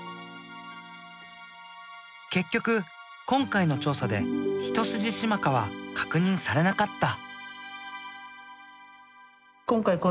結局今回の調査でヒトスジシマカは確認されなかった。